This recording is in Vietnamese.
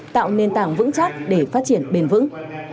tạo nền tảng vững chắc để phát triển bền vững